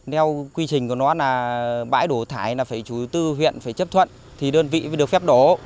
nếu quy trình của nó là bãi đổ thải là phải chủ tư huyện phải chấp thuận thì đơn vị được phép đổ